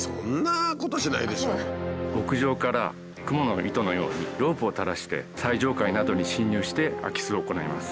屋上からクモの糸のようにロープを垂らして最上階などに侵入して空き巣を行います。